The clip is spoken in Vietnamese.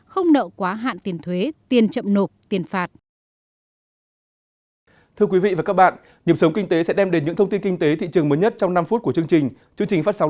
không nợ quá hạn tiền thuế tiền chậm nộp tiền phạt